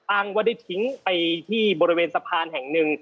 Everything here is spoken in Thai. อ้างว่าได้ทิ้งไปที่บริเวณสะพานแห่งหนึ่ง